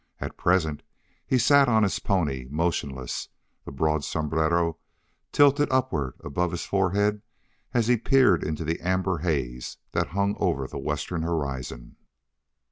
At present, he sat on his pony motionless, the broad sombrero tilted upward above his forehead as he peered into the amber haze that hung over the western horizon.